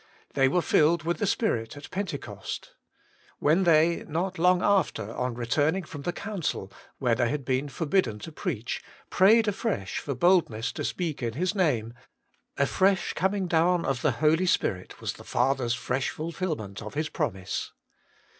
They were filled with the Spirit at Pentecost. When they, not long after, on returning from the Council, where they had been forbidden to preach, prayed afresh for boldness to speak in His name — a fresh coming down of the Holy Spirit was the Father's fresh fulfilment of His promise.